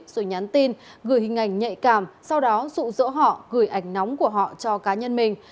rồi nhắn tin gửi hình ảnh nhạy cảm sau đó rụ rỗ họ gửi ảnh nóng của họ cho cá nhân mình